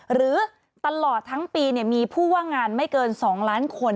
หรือตลอดทั้งปีมีผู้ว่างงานไม่เกิน๒ล้านคน